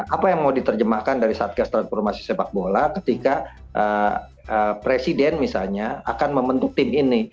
apa yang mau diterjemahkan dari satgas transformasi sepak bola ketika presiden misalnya akan membentuk tim ini